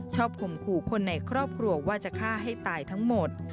ข่มขู่คนในครอบครัวว่าจะฆ่าให้ตายทั้งหมด